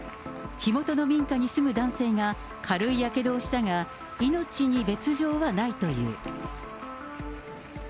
火元の民家に住む男性が、軽いやけどをしたが、命に別状はないという。